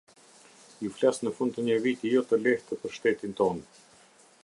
Ju flas në fund të një viti jo të lehtë për shtetin tonë.